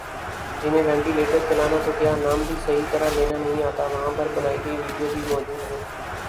جنہیں وینٹیلیٹر چلانا تو کیا نام بھی صحیح طرح لینا نہیں آتا وہاں پر بنائی گئی ویڈیو بھی موجود ہیں